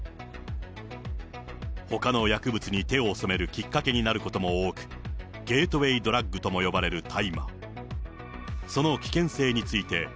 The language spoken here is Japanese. ほかの薬物に手を染めるきっかけになることも多く、ゲートウエードラックとも呼ばれる大麻。